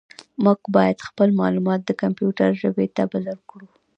موږ باید خپل معلومات د کمپیوټر ژبې ته بدل کړو.